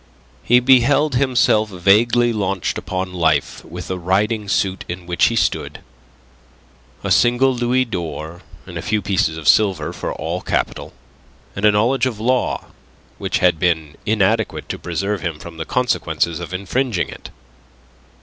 He beheld himself vaguely launched upon life with the riding suit in which he stood, a single louis d'or and a few pieces of silver for all capital, and a knowledge of law which had been inadequate to preserve him from the consequences of infringing it.